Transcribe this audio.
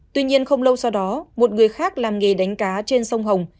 tuy nhiên không lâu sau đó một người khác làm nghề đánh cá trên sông hồng